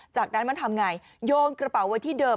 จากนั้นมันทำไงโยงกระเป๋าไว้ที่เดิม